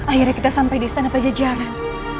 akhirnya kita sampai di istana pajajaran